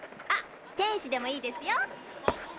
あっ「天使」でもいいですよ。